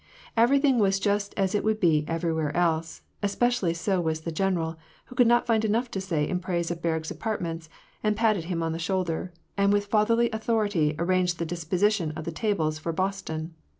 Everything was just as it would be everywhere else ; espe cially so was the general, who could not find enough to say in praise of Berg's apartments, and patted him on the shoulder, and with fatherly authority arranged the disposition of the tables for Boston.